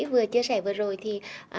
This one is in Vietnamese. vừa chia sẻ vừa rồi thì